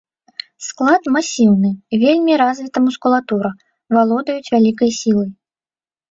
Склад масіўны, вельмі развіта мускулатура, валодаюць вялікай сілай.